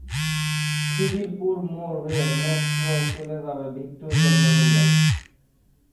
খিদিরপুর মোড় হয়ে মেট্রো চলে যাবে ভিক্টোরিয়া মেমোরিয়াল।